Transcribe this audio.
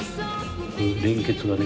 連結がね